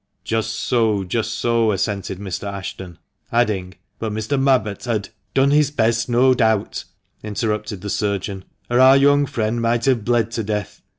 "Just so, just so," assented Mr. Ashton, adding, "but Mr. Mabbott had " "Done his best — no doubt," interrupted the surgeon, "or our young friend might have bled to death.